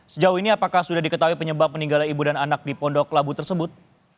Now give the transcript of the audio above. sejauh ini apakah sudah diketahui penyebab peninggalan ibu dan anak di pondok labu tersebut